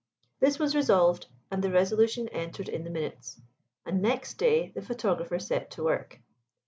This was resolved, and the resolution entered in the minutes; and next day the photographer set to work.